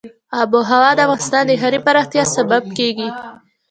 آب وهوا د افغانستان د ښاري پراختیا سبب کېږي.